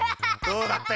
どうだった？